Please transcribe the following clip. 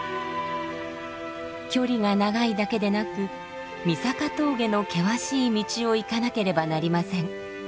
距離が長いだけでなく三坂峠の険しい道を行かなければなりません。